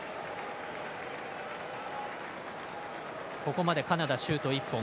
ここまでカナダシュート１本。